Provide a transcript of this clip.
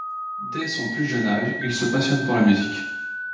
Dès son plus jeune âge, il se passionne pour la musique.